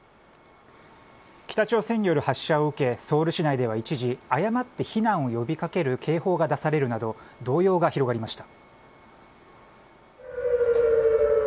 北朝鮮による発射を受けソウル市内では一時、誤って避難を呼び掛ける警報が出されるなど動揺が広がりました。